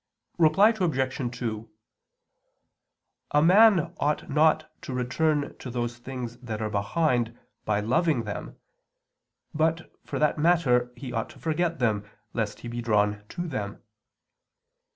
Reply Obj. 2: A man ought not to return to those things that are behind, by loving them; but, for that matter, he ought to forget them, lest he be drawn to them.